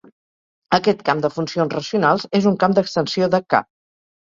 Aquest camp de funcions racionals és un camp d'extensió de "K".